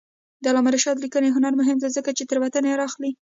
د علامه رشاد لیکنی هنر مهم دی ځکه چې تېروتنې رااخلي.